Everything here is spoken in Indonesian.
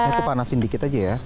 itu panasin dikit aja ya